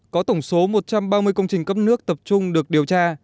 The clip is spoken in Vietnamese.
có tổng số một trăm ba mươi công trình cấp nước tập trung được điều tra